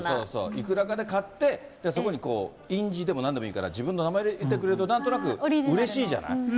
いくらかで買って、そこにこう、印字でもなんでもいいから、自分の名前入れてくれると、なんとなくうれしいじゃない？